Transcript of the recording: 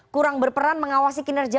kurang berperan mengawasi kinerja